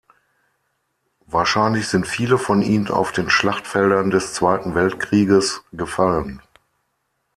Wahrscheinlich sind viele von ihnen auf den Schlachtfeldern des Zweiten Weltkrieges gefallen.